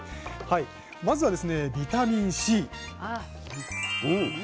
まずはですねビタミンＣ。